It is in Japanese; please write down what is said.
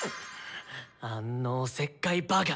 あんのおせっかいバカ！